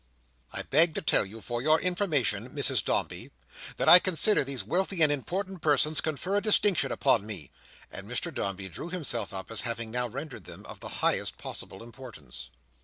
I beg to tell you, for your information, Mrs Dombey, that I consider these wealthy and important persons confer a distinction upon me:" and Mr Dombey drew himself up, as having now rendered them of the highest possible importance.